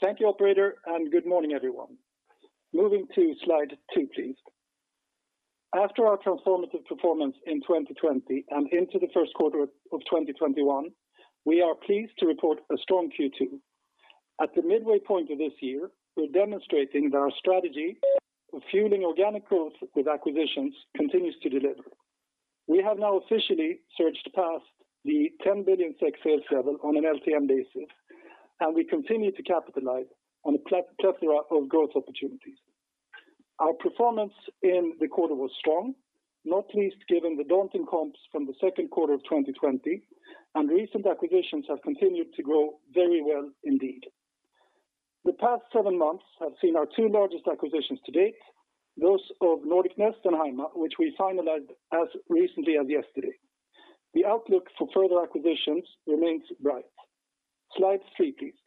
Thank you operator, and good morning, everyone. Moving to slide 2, please. After our transformative performance in 2020 and into the first quarter of 2021, we are pleased to report a strong Q2. At the midway point of this year, we're demonstrating that our strategy of fueling organic growth with acquisitions continues to deliver. We have now officially surged past the SEK 10 billion sales level on an LTM basis, and we continue to capitalize on a plethora of growth opportunities. Our performance in the quarter was strong, not least given the daunting comps from the second quarter of 2020, and recent acquisitions have continued to grow very well indeed. The past seven months have seen our two largest acquisitions to date, those of Nordic Nest and HYMA, which we finalized as recently as yesterday. The outlook for further acquisitions remains bright. Slide 3, please.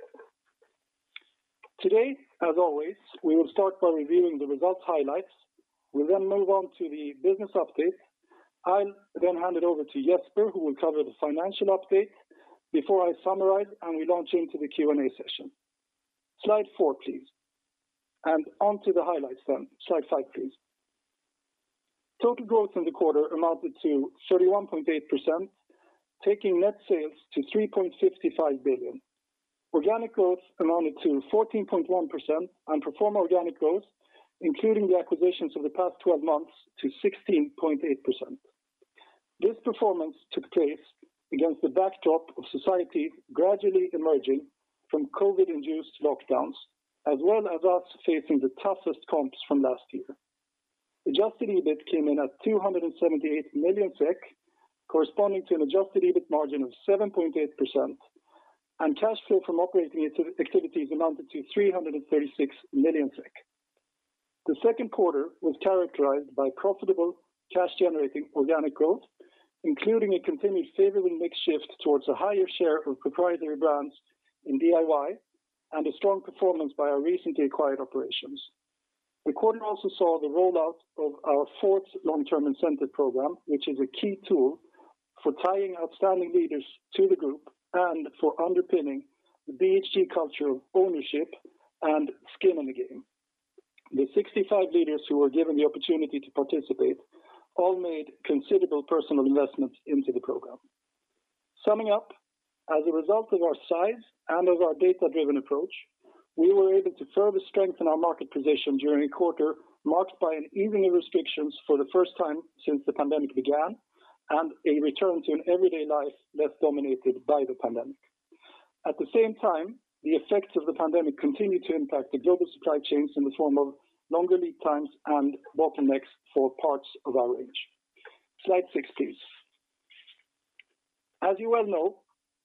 Today, as always, we will start by reviewing the results highlights. We'll then move on to the business update. I'll then hand it over to Jesper, who will cover the financial update before I summarize and we launch into the Q&A session. Slide 4, please. Onto the highlights, then. Slide 5, please. Total growth in the quarter amounted to 31.8%, taking net sales to 3.55 billion. Organic growth amounted to 14.1%, and pro forma organic growth, including the acquisitions of the past 12 months, to 16.8%. This performance took place against the backdrop of society gradually emerging from COVID-induced lockdowns, as well as us facing the toughest comps from last year. Adjusted EBIT came in at 278 million SEK, corresponding to an adjusted EBIT margin of 7.8%, and cash flow from operating activities amounted to 336 million SEK. The second quarter was characterized by profitable cash-generating organic growth, including a continued favorable mix shift towards a higher share of proprietary brands in DIY and a strong performance by our recently acquired operations. The quarter also saw the rollout of our fourth long-term incentive program, which is a key tool for tying outstanding leaders to the group and for underpinning the BHG culture of ownership and skin in the game. The 65 leaders who were given the opportunity to participate all made considerable personal investments into the program. Summing up, as a result of our size and of our data-driven approach, we were able to further strengthen our market position during a quarter marked by an easing of restrictions for the first time since the pandemic began and a return to an everyday life less dominated by the pandemic. At the same time, the effects of the pandemic continued to impact the global supply chains in the form of longer lead times and bottlenecks for parts of our range. Slide 6, please. As you well know,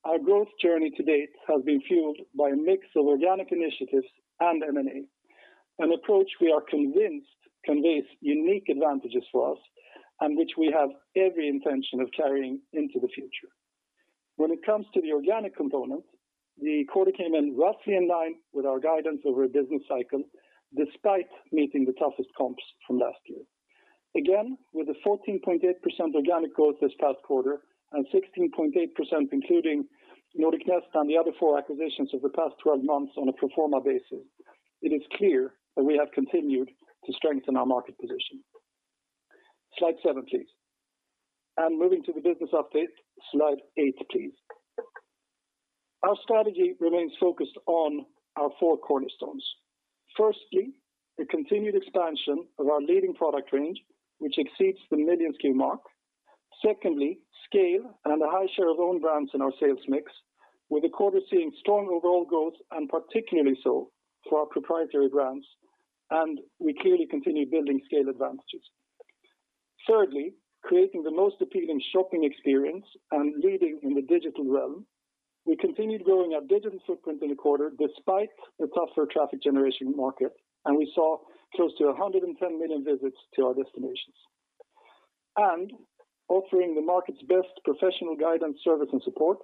our growth journey to date has been fueled by a mix of organic initiatives and M&A, an approach we are convinced conveys unique advantages for us and which we have every intention of carrying into the future. When it comes to the organic component, the quarter came in roughly in line with our guidance over a business cycle, despite meeting the toughest comps from last year. Again, with a 14.8% organic growth this past quarter and 16.8% including Nordic Nest and the other four acquisitions of the past 12 months on a pro forma basis, it is clear that we have continued to strengthen our market position. Slide 7, please. Moving to the business update. Slide 8, please. Our strategy remains focused on our four cornerstones. Firstly, the continued expansion of our leading product range, which exceeds the million SKU mark. Secondly, scale and a high share of own brands in our sales mix, with the quarter seeing strong overall growth and particularly so for our proprietary brands. We clearly continue building scale advantages. Thirdly, creating the most appealing shopping experience and leading in the digital realm. We continued growing our digital footprint in the quarter despite the tougher traffic generation market, and we saw close to 110 million visits to our destinations. Offering the market's best professional guidance, service, and support,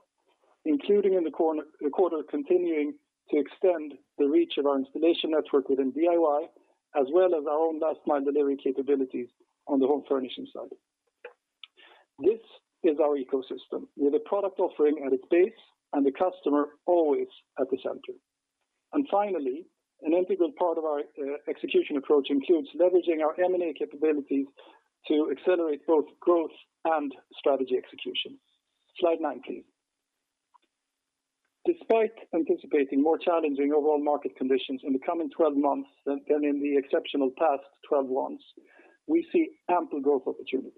including in the quarter, continuing to extend the reach of our installation network within DIY, as well as our own last-mile delivery capabilities on the home furnishing side. This is our ecosystem, with the product offering at its base and the customer always at the center. Finally, an integral part of our execution approach includes leveraging our M&A capabilities to accelerate both growth and strategy execution. Slide 9, please. Despite anticipating more challenging overall market conditions in the coming 12 months than in the exceptional past 12 months, we see ample growth opportunities.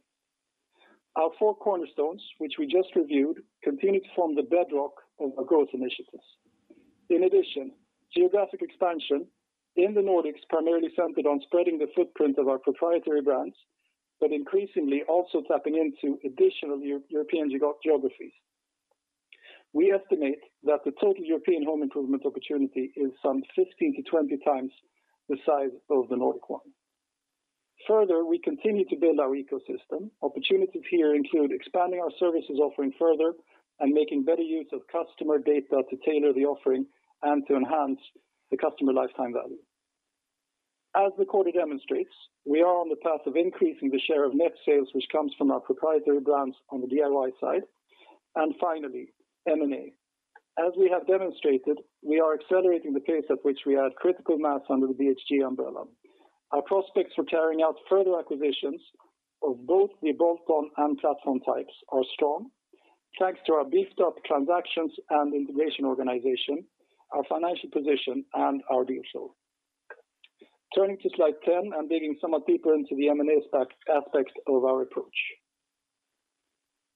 Our four cornerstones, which we just reviewed, continue to form the bedrock of our growth initiatives. Geographic expansion in the Nordics primarily centered on spreading the footprint of our proprietary brands, but increasingly also tapping into additional European geographies. We estimate that the total European home improvement opportunity is some 15x-20x the size of the Nordic one. We continue to build our ecosystem. Opportunities here include expanding our services offering further and making better use of customer data to tailor the offering and to enhance the customer lifetime value. As the quarter demonstrates, we are on the path of increasing the share of net sales, which comes from our proprietary brands on the DIY side. Finally, M&A. As we have demonstrated, we are accelerating the pace at which we add critical mass under the BHG umbrella. Our prospects for carrying out further acquisitions of both the bolt-on and platform types are strong, thanks to our beefed-up transactions and integration organization, our financial position, and our deal flow. Turning to slide 10 and digging somewhat deeper into the M&A aspects of our approach.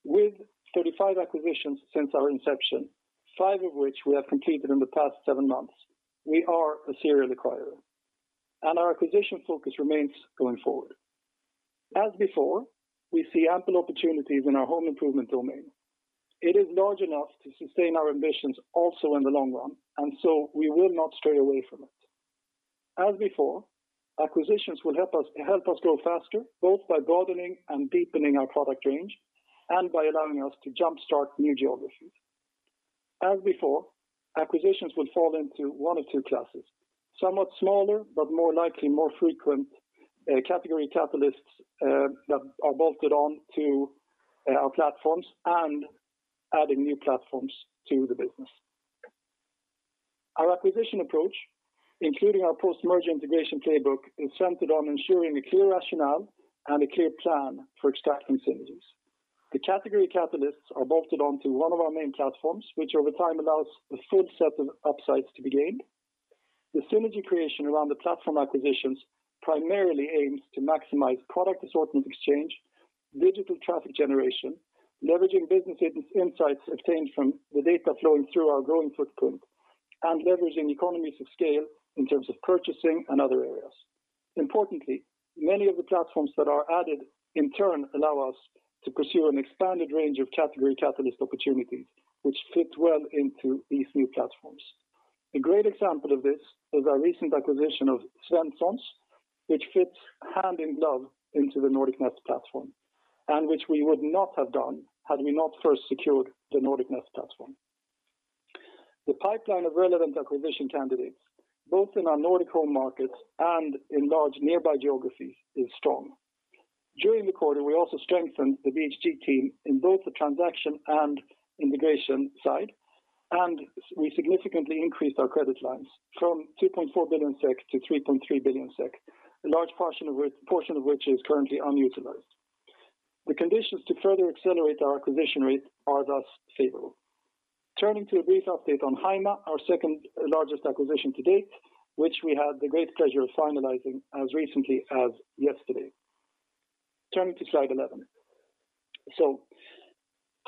With 35 acquisitions since our inception, five of which we have completed in the past seven months, we are a serial acquirer, and our acquisition focus remains going forward. As before, we see ample opportunities in our home improvement domain. It is large enough to sustain our ambitions also in the long run, and so we will not stray away from it. As before, acquisitions will help us grow faster, both by broadening and deepening our product range and by allowing us to jumpstart new geographies. As before, acquisitions will fall into one of two classes: a somewhat smaller but more likely, more frequent category capitalists that are bolted on to our platforms and adding new platforms to the business. Our acquisition approach, including our post-merger integration playbook, is centered on ensuring a clear rationale and a clear plan for extracting synergies. The category capitalists are bolted onto one of our main platforms, which over time allows the full set of upsides to be gained. The synergy creation around the platform acquisitions primarily aims to maximize product assortment exchange, digital traffic generation, leveraging business insights obtained from the data flowing through our growing footprint, and leveraging economies of scale in terms of purchasing and other areas. Importantly, many of the platforms that are added in turn allow us to pursue an expanded range of category capitalist opportunities, which fit well into these new platforms. A great example of this is our recent acquisition of Svenssons, which fits hand in glove into the Nordic Nest platform, and which we would not have done had we not first secured the Nordic Nest platform. The pipeline of relevant acquisition candidates, both in our Nordic home markets and in large nearby geographies, is strong. During the quarter, we also strengthened the BHG team on both the transaction and integration side, and we significantly increased our credit lines from 2.4 billion SEK to 3.3 billion SEK, a large portion of which is currently unutilized. The conditions to further accelerate our acquisition rate are thus favorable. Turning to a brief update on HYMA, our second-largest acquisition to date, which we had the great pleasure of finalizing as recently as yesterday. Turning to slide 11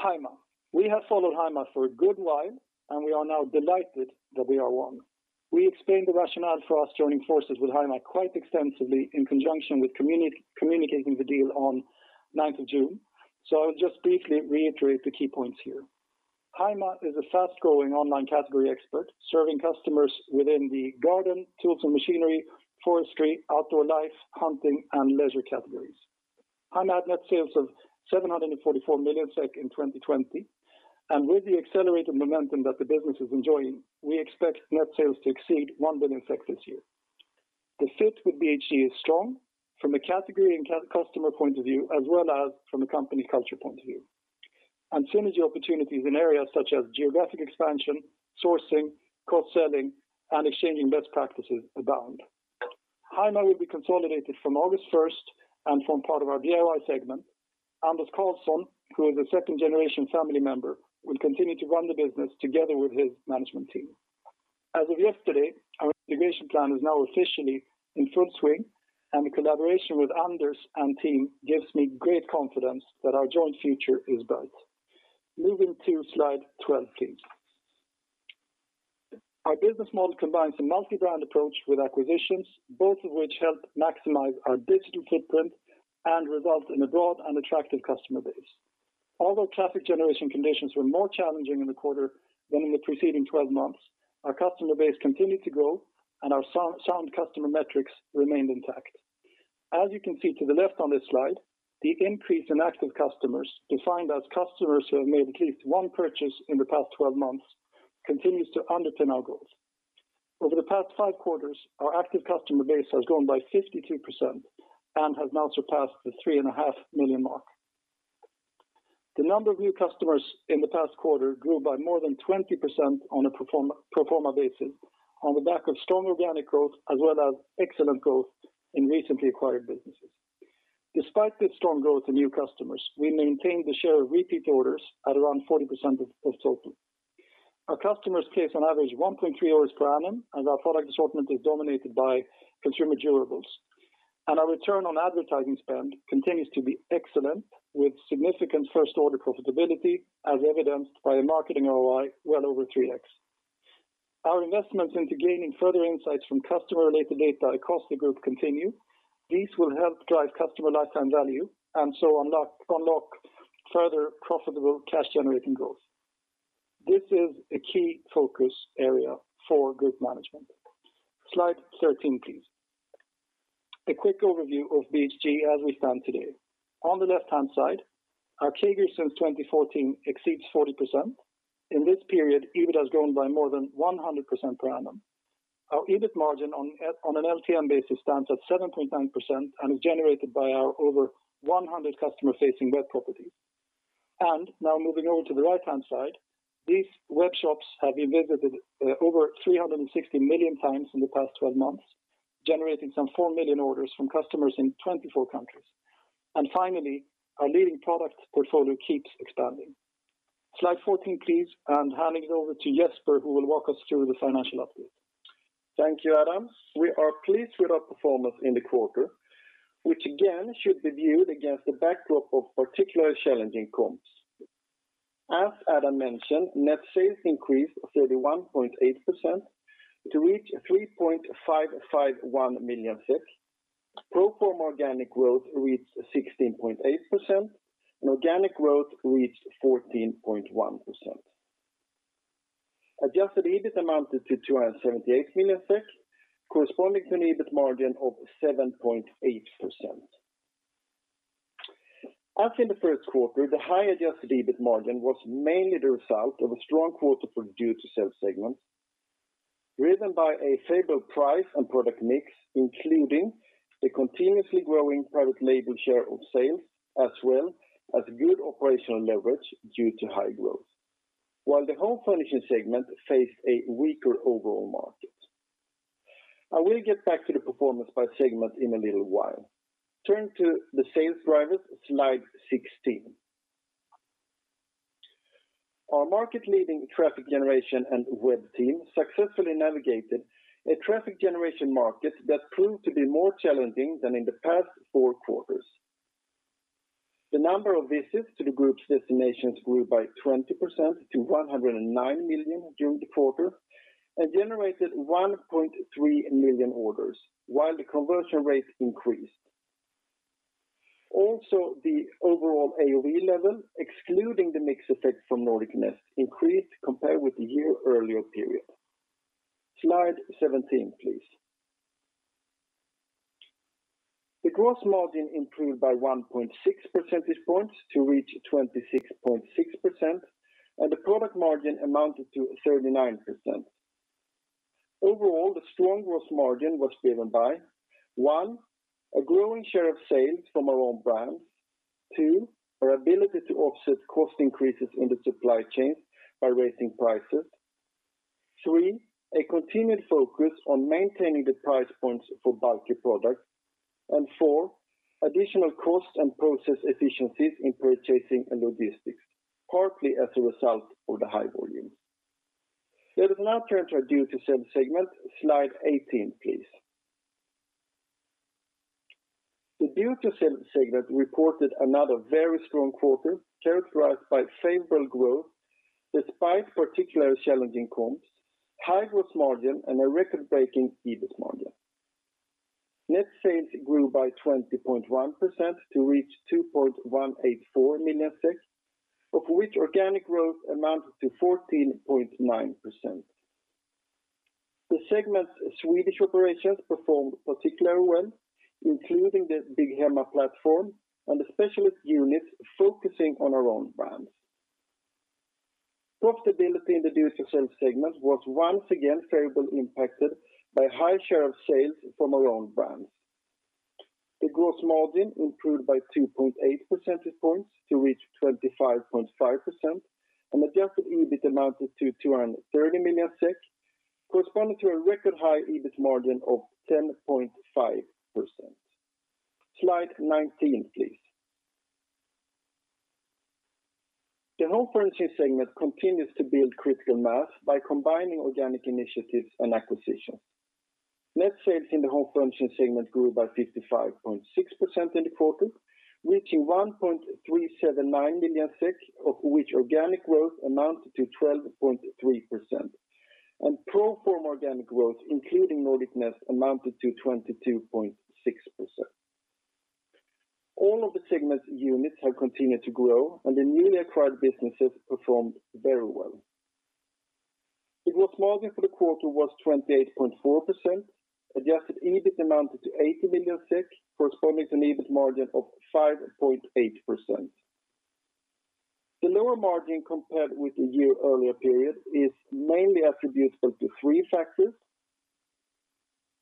HYMA, we have followed HYMA for a good while, and we are now delighted that we are one. We explained the rationale for us joining forces with HYMA quite extensively in conjunction with communicating the deal on the 9th of June. I'll just briefly reiterate the key points here. HYMA is a fast-growing online category expert serving customers within the garden, tools and machinery, forestry, outdoor life, hunting, and leisure categories. HYMA had net sales of 744 million SEK in 2020, and with the accelerated momentum that the business is enjoying, we expect net sales to exceed 1 billion this year. The fit with BHG is strong from a category and customer point of view, as well as from a company culture point of view, and synergy opportunities in areas such as geographic expansion, sourcing, cross-selling, and exchanging best practices abound. HYMA will be consolidated from August 1st and form part of our DIY segment. Anders Carlsson, who is a second-generation family member, will continue to run the business together with his management team. As of yesterday, our integration plan is now officially in full swing, the collaboration with Anders and team gives me great confidence that our joint future is bright. Moving to slide 12, please. Our business model combines a multi-brand approach with acquisitions, both of which help maximize our digital footprint and result in a broad and attractive customer base. Although traffic generation conditions were more challenging in the quarter than in the preceding 12 months, our customer base continued to grow, our sound customer metrics remained intact. As you can see to the left on this slide, the increase in active customers, defined as customers who have made at least one purchase in the past 12 months, continues to underpin our growth. Over the past five quarters, our active customer base has grown by 52% and has now surpassed the 3.5 million mark. The number of new customers in the past quarter grew by more than 20% on a pro forma basis on the back of strong organic growth as well as excellent growth in recently acquired businesses. Despite this strong growth in new customers, we maintained the share of repeat orders at around 40% of total. Our customers place, on average, 1.3 orders per annum, and our product assortment is dominated by consumer durables. Our return on advertising spend continues to be excellent, with significant first-order profitability as evidenced by a marketing ROI well over 3X. Our investments into gaining further insights from customer-related data across the group continue. These will help drive customer lifetime value and so unlock further profitable cash-generating growth. This is a key focus area for group management. Slide 13, please. A quick overview of BHG as we stand today. On the left-hand side, our CAGR since 2014 exceeds 40%. In this period, EBIT has grown by more than 100% per annum. Our EBIT margin on an LTM basis stands at 7.9% and is generated by our over 100 customer-facing web properties. Now moving over to the right-hand side, these web shops have been visited over 360 million times in the past 12 months, generating some 4 million orders from customers in 24 countries. Finally, our leading product portfolio keeps expanding. Slide 14, please, and handing it over to Jesper, who will walk us through the financial update. Thank you, Adam. We are pleased with our performance in the quarter, which again, should be viewed against the backdrop of particularly challenging comps. As Adam mentioned, net sales increased 31.8% to reach 3.551 million. Pro forma organic growth reached 16.8%, and organic growth reached 14.1%. Adjusted EBIT amounted to 278 million SEK, corresponding to an EBIT margin of 7.8%. As in the first quarter, the high-adjusted EBIT margin was mainly the result of a strong quarter for DIY segment, driven by a favorable price and product mix, including the continuously growing private label share of sales, as well as good operational leverage due to high growth. While the Home Furnishing segment faced a weaker overall market. I will get back to the performance by segment in a little while. Turn to the sales drivers, slide 16. Our market-leading traffic generation and web team successfully navigated a traffic generation market that proved to be more challenging than in the past four quarters. The number of visits to the group's destinations grew by 20% to 109 million during the quarter and generated 1.3 million orders while the conversion rate increased. Also, the overall AOV level, excluding the mix effect from Nordic Nest, increased compared with the year-earlier period. Slide 17, please. The gross margin improved by 1.6 percentage points to reach 26.6%, and the product margin amounted to 39%. Overall, the strong gross margin was driven by; one, a growing share of sales from our own brands. Two, our ability to offset cost increases in the supply chain by raising prices. Three, a continued focus on maintaining the price points for bulky products. Four, additional cost and process efficiencies in purchasing and logistics, partly as a result of the high volumes. Let us now turn to our DIY segment, slide 18, please. The DIY segment reported another very strong quarter characterized by favorable growth despite particularly challenging comps, high gross margin, and a record-breaking EBIT margin. Net sales grew by 20.1% to reach 2,184 million, of which organic growth amounted to 14.9%. The segment Swedish operations performed particularly well, including the Bygghemma platform and the specialist units focusing on our own brands. Profitability in the DIY segment was once again favorably impacted by a high share of sales from our own brands. The gross margin improved by 2.8 percentage points to reach 25.5%, and adjusted EBIT amounted to 230 million SEK, corresponding to a record high EBIT margin of 10.5%. Slide 19, please. The Home Furnishing segment continues to build critical mass by combining organic initiatives and acquisitions. Net sales in the Home Furnishing segment grew by 55.6% in the quarter, reaching 1.379 million SEK, of which organic growth amounted to 12.3%. Pro forma organic growth, including Nordic Nest, amounted to 22.6%. All of the segment's units have continued to grow, and the newly acquired businesses performed very well. The gross margin for the quarter was 28.4%. Adjusted EBIT amounted to 80 million SEK, corresponding to an EBIT margin of 5.8%. The lower margin compared with the year-earlier period is mainly attributable to three factors: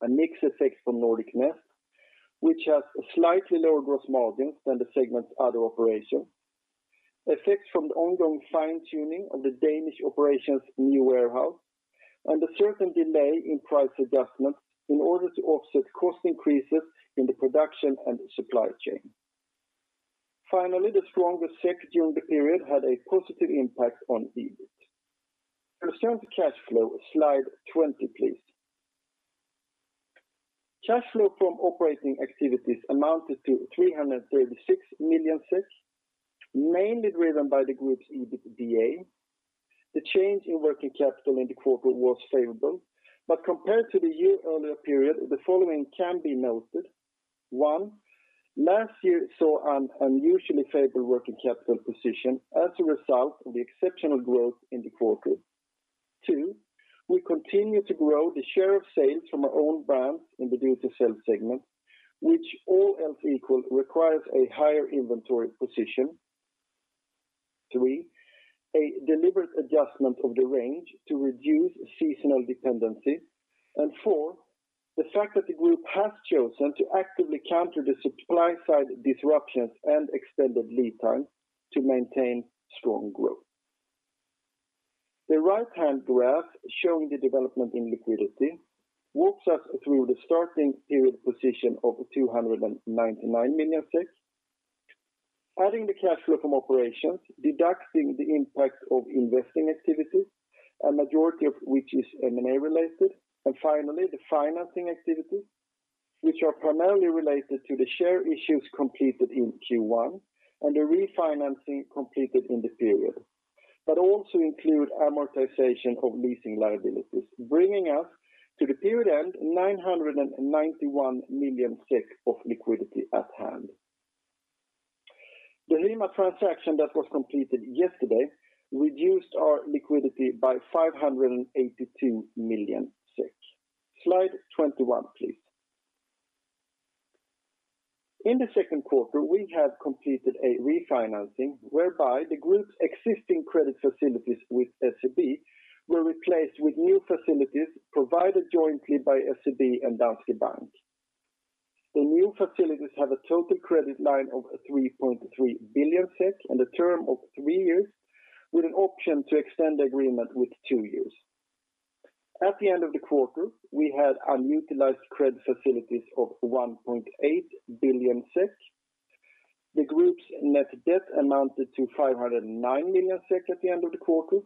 a mix effect from Nordic Nest, which has slightly lower gross margins than the segment's other operations, effects from the ongoing fine-tuning of the Danish operations' new warehouse, and a certain delay in price adjustments in order to offset cost increases in the production and supply chain. Finally, the stronger SEK during the period had a positive impact on EBIT. Let us turn to cash flow. Slide 20, please. Cash flow from operating activities amounted to 336 million, mainly driven by the group's EBITDA. The change in working capital in the quarter was favorable, but compared to the year-earlier period, the following can be noted. One, last year saw an unusually favorable working capital position as a result of the exceptional growth in the quarter. Two, we continue to grow the share of sales from our own brands in the DIY sales segment, which, all else equal, requires a higher inventory position. Three, a deliberate adjustment of the range to reduce seasonal dependency. Four, the fact that the group has chosen to actively counter the supply side disruptions and extended lead time to maintain strong growth. The right-hand graph showing the development in liquidity walks us through the starting period position of 299 million. Adding the cash flow from operations, deducting the impact of investing activities, a majority of which is M&A related, finally, the financing activities, which are primarily related to the share issues completed in Q1 and the refinancing completed in the period. Also include amortization of leasing liabilities, bringing us to the period end, 991 million of liquidity at hand. The HYMA transaction that was completed yesterday reduced our liquidity by 582 million. Slide 21, please. In the second quarter, we have completed a refinancing whereby the group's existing credit facilities with SEB were replaced with new facilities provided jointly by SEB and Danske Bank. The new facilities have a total credit line of 3.3 billion SEK and a term of three years, with an option to extend the agreement with two years. At the end of the quarter, we had unutilized credit facilities of 1.8 billion SEK. The group's net debt amounted to 509 million SEK at the end of the quarter,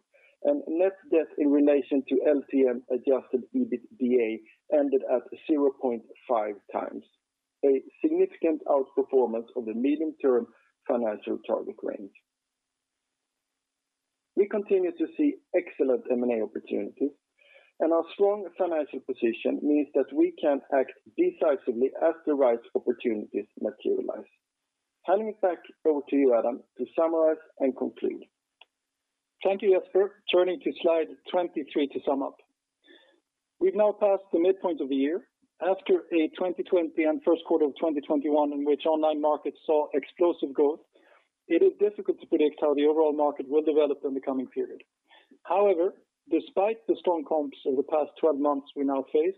and net debt in relation to LTM adjusted EBITDA ended at 0.5x, a significant outperformance of the medium-term financial target range. We continue to see excellent M&A opportunities. Our strong financial position means that we can act decisively as the right opportunities materialize. Hanging it back over to you, Adam, to summarize and conclude. Thank you, Jesper. Turning to slide 23 to sum up. We've now passed the midpoint of the year after a 2020 and first quarter of 2021, in which online markets saw explosive growth. It is difficult to predict how the overall market will develop in the coming period. However, despite the strong comps of the past 12 months we now face,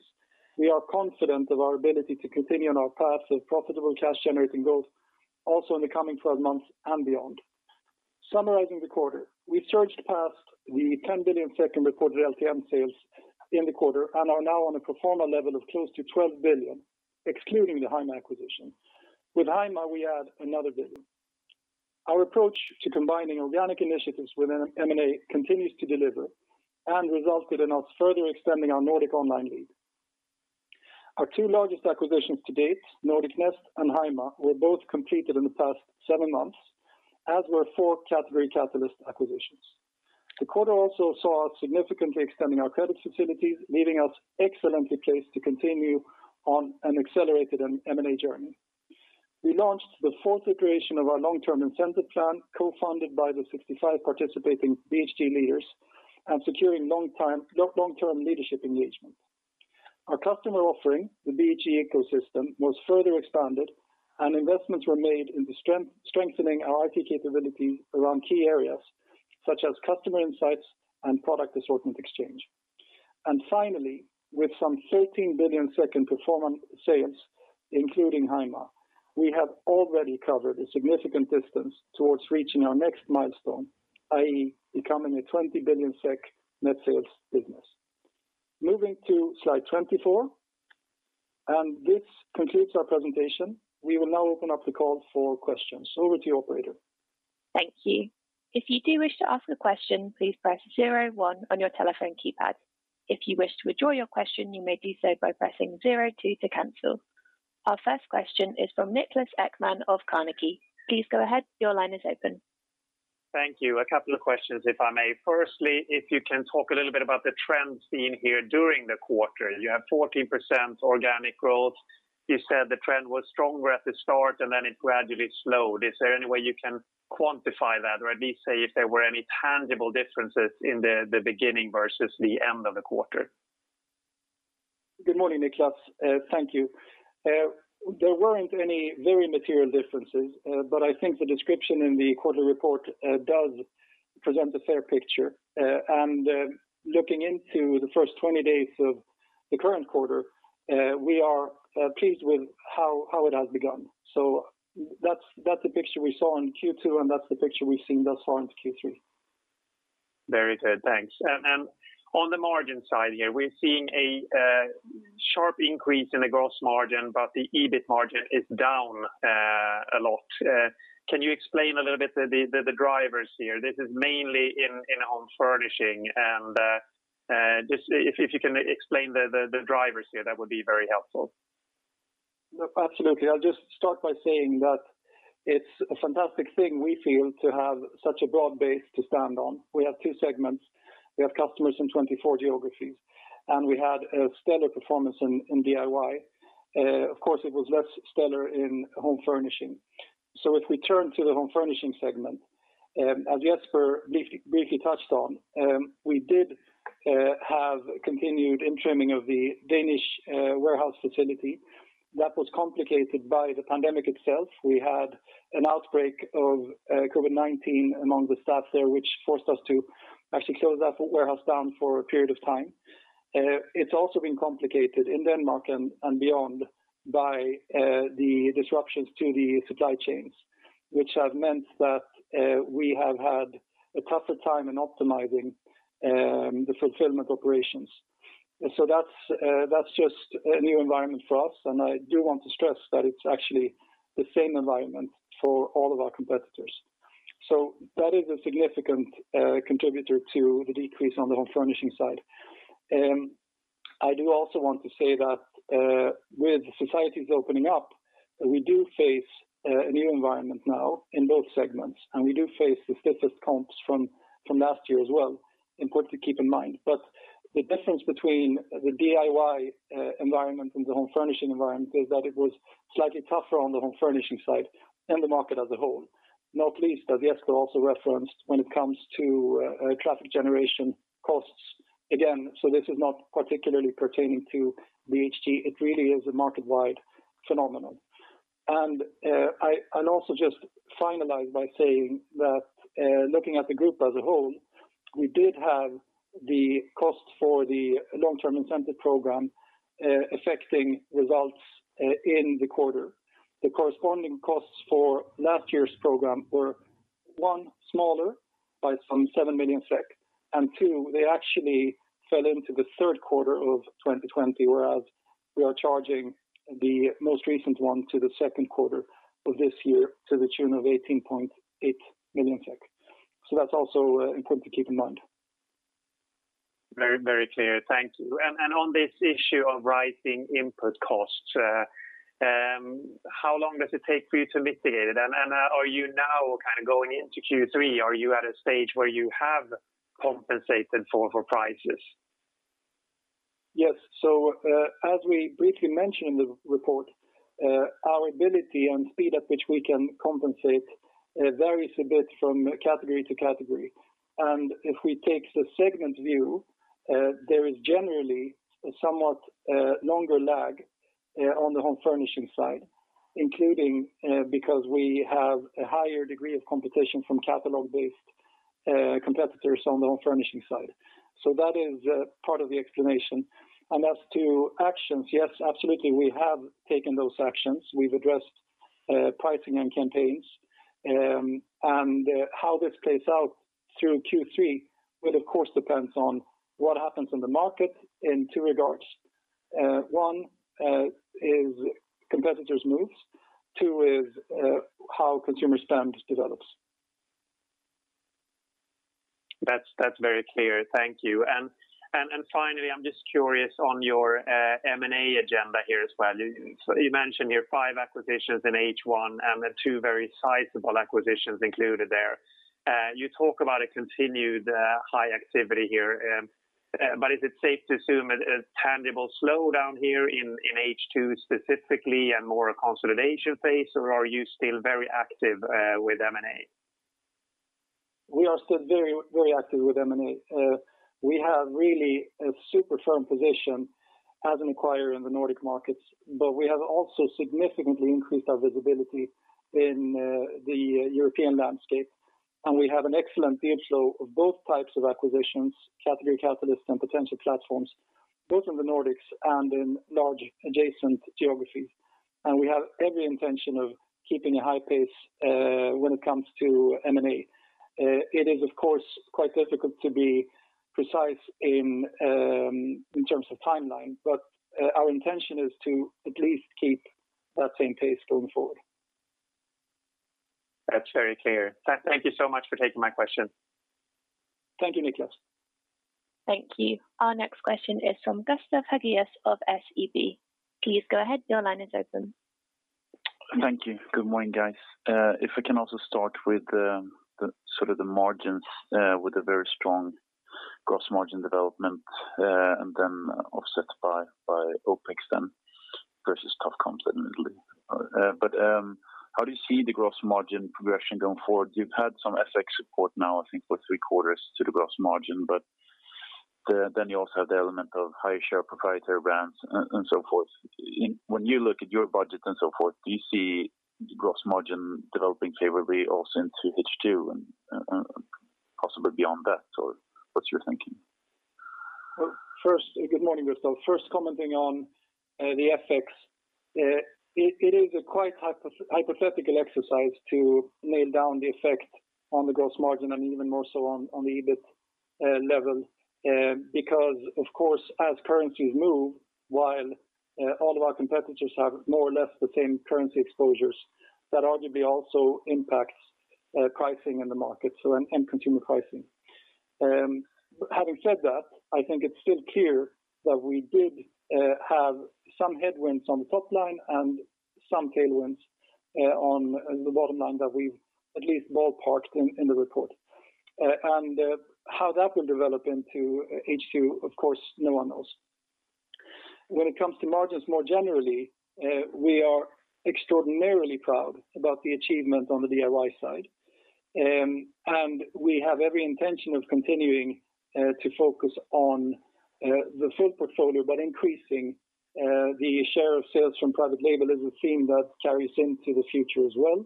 we are confident of our ability to continue on our path of profitable cash-generating growth also in the coming 12 months and beyond. Summarizing the quarter, we surged past the 10 billion in recorded LTM sales in the quarter and are now on a pro forma level of close to 12 billion, excluding the HYMA acquisition. With HYMA, we add another 1 billion. Our approach to combining organic initiatives within M&A continues to deliver and resulted in us further extending our Nordic online lead. Our two largest acquisitions to date, Nordic Nest and HYMA, were both completed in the past seven months, as were four category catalyst acquisitions. The quarter also saw us significantly extending our credit facilities, leaving us excellently placed to continue on an accelerated M&A journey. We launched the fourth iteration of our long-term incentive plan, co-funded by the 65 participating BHG leaders and securing long-term leadership engagement. Our customer offering, the BHG ecosystem, was further expanded and investments were made into strengthening our IT capabilities around key areas such as customer insights and product assortment exchange. Finally, with some 13 billion in pro forma sales, including HYMA, we have already covered a significant distance towards reaching our next milestone, i.e., becoming a 20 billion SEK net sales business. Moving to slide 24. This concludes our presentation. We will now open up the call for questions. Over to you, operator. Thank you. If you do wish to ask a question, please press zero one on your telephone keypad. If you wish to withdraw your question, you may do so by pressing zero two to cancel. Our first question is from Niklas Ekman of Carnegie. Please go ahead. Your line is open. Thank you. A couple of questions, if I may. Firstly, if you can talk a little bit about the trends seen here during the quarter? You have 14% organic growth. You said the trend was stronger at the start, and then it gradually slowed. Is there any way you can quantify that? At least say if there were any tangible differences in the beginning versus the end of the quarter? Good morning, Niklas. Thank you. There weren't any very material differences, but I think the description in the quarter report does present a fair picture. Looking into the first 20 days of the current quarter, we are pleased with how it has begun. That's the picture we saw in Q2, and that's the picture we've seen thus far into Q3. Very good, thanks. On the margin side here, we're seeing a sharp increase in the gross margin, but the EBIT margin is down a lot. Can you explain a little bit the drivers here? This is mainly in home furnishing. Just if you can explain the drivers here, that would be very helpful. Absolutely. I'll just start by saying that it's a fantastic thing we feel to have such a broad base to stand on. We have two segments. We have customers in 24 geographies, and we had a stellar performance in DIY. Of course, it was less stellar in home furnishing. If we turn to the Home Furnishing segment, as Jesper briefly touched on, we did have continued intermingling of the Danish warehouse facility that was complicated by the pandemic itself. We had an outbreak of COVID-19 among the staff there, which forced us to actually close that warehouse down for a period of time. It's also been complicated in Denmark and beyond by the disruptions to the supply chains, which have meant that we have had a tougher time in optimizing the fulfillment operations. That's just a new environment for us, and I do want to stress that it's actually the same environment for all of our competitors. That is a significant contributor to the decrease on the home furnishing side. I do also want to say that with societies opening up, we do face a new environment now in both segments, and we do face the stiffest comps from last year as well. Important to keep in mind. The difference between the DIY environment and the home furnishing environment is that it was slightly tougher on the home furnishing side and the market as a whole, not least, as Jesper also referenced, when it comes to traffic generation costs. Again, so this is not particularly pertaining to BHG. It really is a market-wide phenomenon. I will also just finalize by saying that, looking at the group as a whole, we did have the cost for the long-term incentive program affecting results in the quarter. The corresponding costs for last year's program were, one, smaller by some 7 million SEK, and two, they actually fell into the third quarter of 2020, whereas we are charging the most recent one to the second quarter of this year to the tune of 18.8 million SEK. That is also important to keep in mind. Very clear. Thank you. On this issue of rising input costs, how long does it take for you to mitigate it? Are you now going into Q3? Are you at a stage where you have compensated for prices? Yes. As we briefly mentioned in the report, our ability and speed at which we can compensate varies a bit from category to category. If we take the segment view, there is generally a somewhat longer lag on the home furnishing side, including because we have a higher degree of competition from catalog-based competitors on the home furnishing side. That is part of the explanation. As to actions, yes, absolutely, we have taken those actions. We've addressed pricing and campaigns. How this plays out through Q3 will, of course, depend on what happens in the market in two regards. One is competitors' moves. Two, is how consumer spend develops. That's very clear. Thank you. Finally, I'm just curious on your M&A agenda here as well. You mentioned here five acquisitions in H1 and 2 very sizable acquisitions included there. You talk about a continued high activity here. Is it safe to assume a tangible slowdown here in H2 specifically and more a consolidation phase, or are you still very active with M&A? We are still very active with M&A. We have really a super firm position as an acquirer in the Nordic markets, but we have also significantly increased our visibility in the European landscape. We have an excellent deal flow of both types of acquisitions, category catalysts, and potential platforms, both in the Nordics and in large adjacent geographies. We have every intention of keeping a high pace when it comes to M&A. It is, of course, quite difficult to be precise in terms of timeline, but our intention is to at least keep that same pace going forward. That's very clear. Thank you so much for taking my question. Thank you, Niklas. Thank you. Our next question is from Gustav Hagéus of SEB. Please go ahead. Your line is open. Thank you. Good morning, guys. If we can also start with the margins, with the very strong gross margin development, offset by OpEx versus tough comps, admittedly. How do you see the gross margin progression going forward? You've had some FX support now, I think, for three quarters to the gross margin, you also have the element of higher share of proprietary brands and so forth. When you look at your budget and so forth, do you see gross margin developing favorably also into H2 and possibly beyond that? What's your thinking? Good morning, Gustav. First, commenting on the FX. It is quite a hypothetical exercise to nail down the effect on the gross margin and even more so on the EBIT level. Of course, as currencies move, while all of our competitors have more or less the same currency exposures, that arguably also impacts pricing in the market, so end consumer pricing. Having said that, I think it's still clear that we did have some headwinds on the top line and some tailwinds on the bottom line that we at least ballparked in the report. How that will develop into H2, of course, no one knows. When it comes to margins more generally, we are extraordinarily proud about the achievement on the DIY side. We have every intention of continuing to focus on the full portfolio, but increasing the share of sales from private label is a theme that carries into the future as well.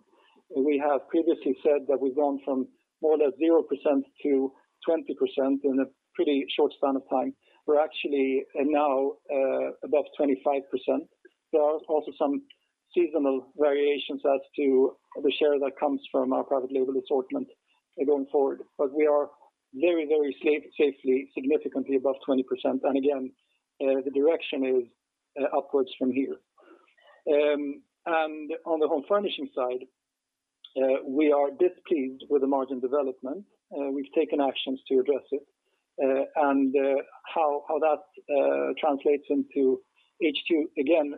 We have previously said that we've gone from more or less 0%-20% in a pretty short span of time. We're actually now above 25%. There are also some seasonal variations as to the share that comes from our private label assortment going forward. We are very safe, significantly above 20%. Again, the direction is upwards from here. On the home furnishing side, we are displeased with the margin development. We've taken actions to address it. How that translates into H2, again,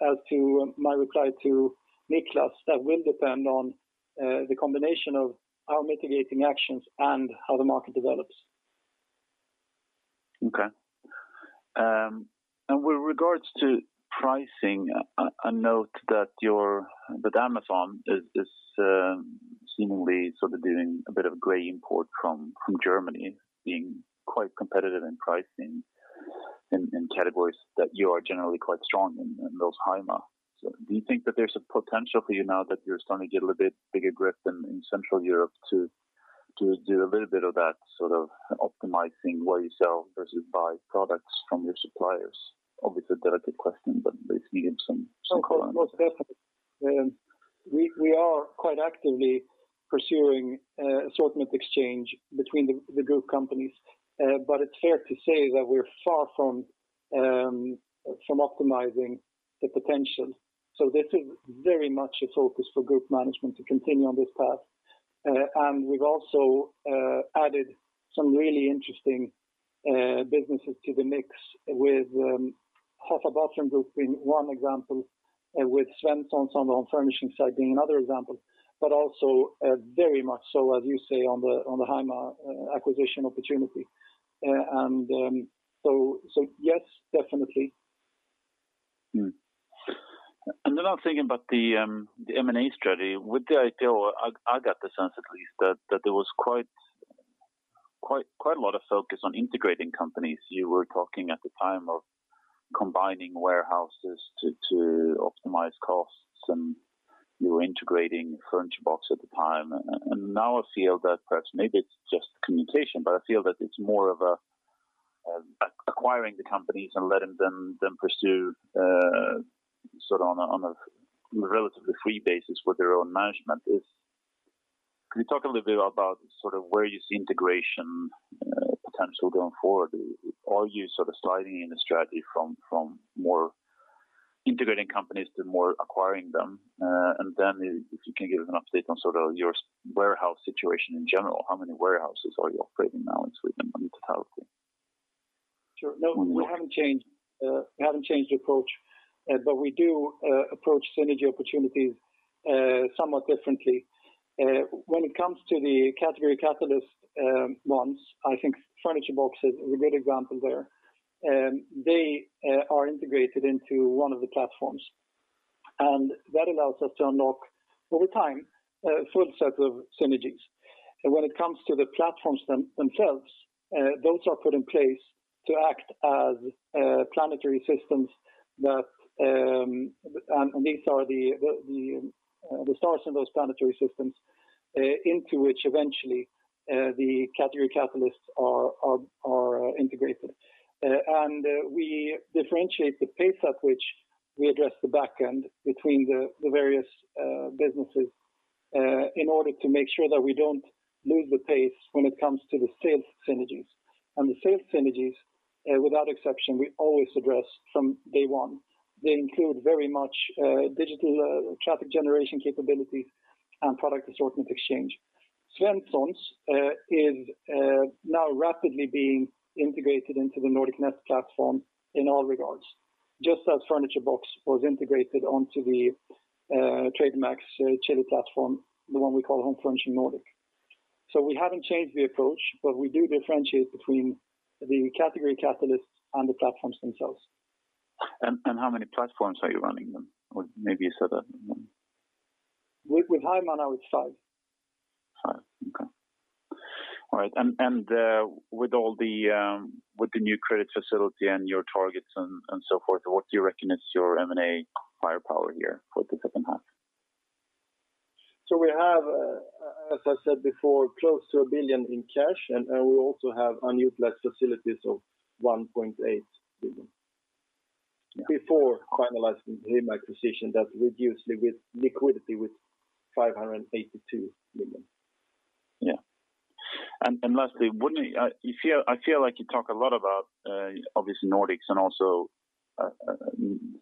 as to my reply to Niklas, that will depend on the combination of our mitigating actions and how the market develops. Okay. With regards to pricing, a note that Amazon is seemingly doing a bit of gray import from Germany, being quite competitive in pricing in categories that you are generally quite strong in, and those of HYMA. Do you think that there's a potential for you now that you're starting to get a little bit bigger grip in Central Europe to do a little bit of that optimizing where you sell versus buy products from your suppliers? Obviously, a delicate question, but basically, give some simple answer. Of course, most definitely. We are quite actively pursuing assortment exchange between the group companies. It's fair to say that we're far from optimizing the potential. This is very much a focus for group management to continue on this path. We've also added some really interesting businesses to the mix, with Hafa Bathroom Group being one example, with Svenssons on the home furnishing side being another example. Also very much so, as you say, on the HYMA acquisition opportunity. Yes, definitely. I was thinking about the M&A strategy with the IPO. I got the sense, at least, that there was quite a lot of focus on integrating companies. You were talking at the time of combining warehouses to optimize costs, and you were integrating Furniturebox at the time. Now I feel that perhaps maybe it's just communication, but I feel that it's more of acquiring the companies and letting them pursue on a relatively free basis with their own management is. Can you talk a little bit about where you see integration potential going forward? Are you sliding in a strategy from more integrating companies to more acquiring them? If you can give us an update on your warehouse situation in general, how many warehouses are you operating now in Sweden in totality? Sure. No, we haven't changed the approach, but we do approach synergy opportunities somewhat differently. When it comes to the category catalyst ones, I think Furniturebox is a great example there. They are integrated into one of the platforms, and that allows us to unlock, over time, a full set of synergies. When it comes to the platforms themselves, those are put in place to act as planetary systems. These are the stars in those planetary systems, into which eventually the category catalysts are integrated. We differentiate the pace at which we address the back end between the various businesses in order to make sure that we don't lose the pace when it comes to the sales synergies. The sales synergies, without exception, we always address from day one. They include very much digital traffic generation capabilities and product assortment exchange. Svenssons is now rapidly being integrated into the Nordic Nest platform in all regards, just as Furniturebox was integrated onto the Trademax, Chilli platform, the one we call Home Furnishing Nordic. We haven't changed the approach, but we do differentiate between the category catalysts and the platforms themselves. How many platforms are you running then? Maybe you said that. With HYMA, now it's five. Five. Okay. All right. With the new credit facility and your targets and so forth, what do you reckon is your M&A firepower here for the second half? We have, as I said before, close to 1 billion in cash, and we also have unutilized facilities of 1.8 billion before finalizing the HYMA acquisition that reduced liquidity with 582 million. Yeah. Lastly, I feel like you talk a lot about obviously Nordics and also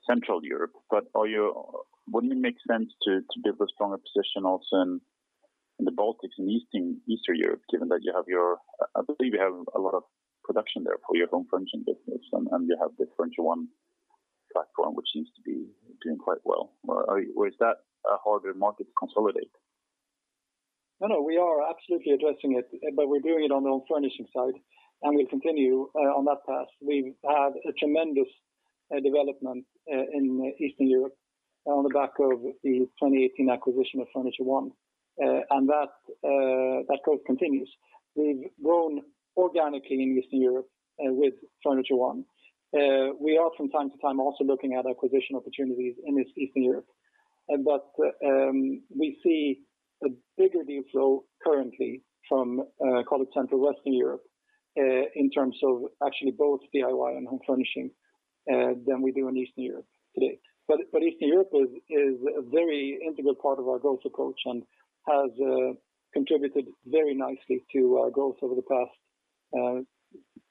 Central Europe, but wouldn't it make sense to build a stronger position also in the Baltics and Eastern Europe, given that you have your I believe you have a lot of production there for your home furnishing business, and you have the Furniture1 platform, which seems to be doing quite well. Or is that a harder market to consolidate? No, we are absolutely addressing it, but we're doing it on the home furnishing side, and we continue on that path. We've had a tremendous development in Eastern Europe on the back of the 2018 acquisition of Furniture1, and that growth continues. We've grown organically in Eastern Europe with Furniture1. We are, from time to time, also looking at acquisition opportunities in Eastern Europe. We see a bigger deal flow currently from, call it Central Western Europe, in terms of actually both DIY and home furnishing than we do in Eastern Europe today. Eastern Europe is a very integral part of our growth approach and has contributed very nicely to our growth over the past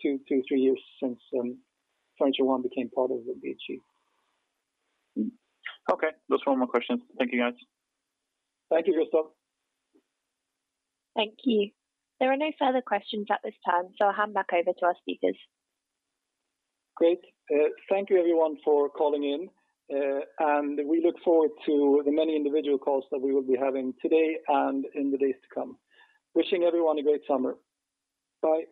two to three years since Furniture1 became part of the BHG. Okay, just one more question. Thank you, guys. Thank you, Gustav. Thank you. There are no further questions at this time, so I'll hand back over to our speakers. Great. Thank you, everyone, for calling in. We look forward to the many individual calls that we will be having today and in the days to come. Wishing everyone a great summer. Bye.